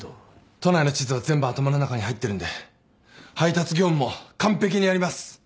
都内の地図は全部頭の中に入ってるんで配達業務も完璧にやります。